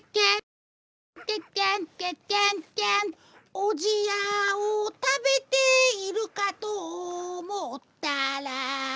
「おじやを食べているかと思ったら」